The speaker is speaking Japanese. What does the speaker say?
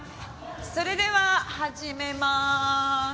それでは始めまーす。